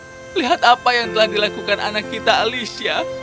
sayang lihat apa yang telah dilakukan anak kita alicia